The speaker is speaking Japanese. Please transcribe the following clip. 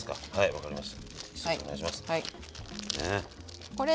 分かりました。